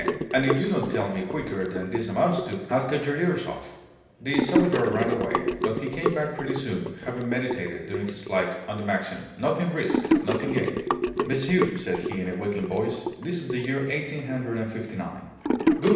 "And if you don't tell me quicker than this amounts to, I'll cut your ears off!" The Savoyard ran away, but he came back pretty soon, having meditated, during his flight, on the maxim "Nothing risk, nothing gain." "Monsieur," said he, in a wheedling voice, "this is the year eighteen hundred and fifty nine." "Good!"